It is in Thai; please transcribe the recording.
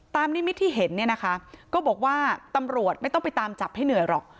นิมิตที่เห็นเนี่ยนะคะก็บอกว่าตำรวจไม่ต้องไปตามจับให้เหนื่อยหรอก